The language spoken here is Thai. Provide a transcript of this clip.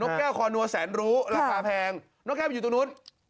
แก้วคอนัวแสนรู้ราคาแพงนกแก้วไปอยู่ตรงนู้น